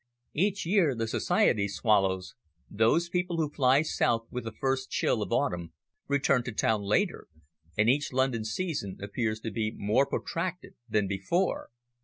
Each year the society swallows, those people who fly south with the first chill day of autumn, return to town later, and each London season appears to be more protracted than before.